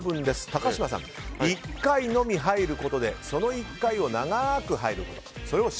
高嶋さんは１回のみ入ることでその１回を長く入ること。